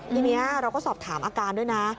ทีนี้เราก็สอบถามอาการด้วยนะ